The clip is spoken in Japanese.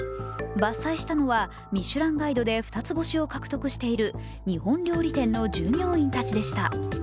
伐採したのはミシュランガイドで二つ星を獲得している日本料理店の従業員たちでした。